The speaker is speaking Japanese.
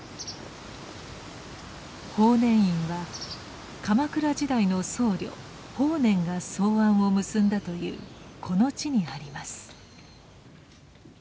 法然院は鎌倉時代の僧侶・法然が草庵を結んだというこの地にあります。